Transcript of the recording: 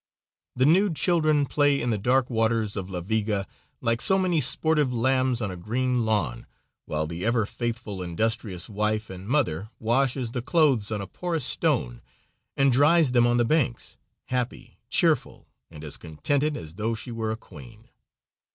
The nude children play in the dark waters of La Viga like so many sportive lambs on a green lawn, while the ever faithful, industrious wife and mother washes the clothes on a porous stone and dries them on the banks happy, cheerful, and as contented as though she were a queen.